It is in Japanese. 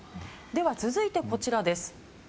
続いて、こちらです。